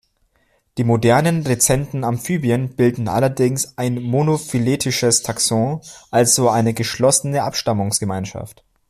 Die modernen, rezenten Amphibien bilden allerdings ein monophyletisches Taxon, also eine geschlossene Abstammungsgemeinschaft.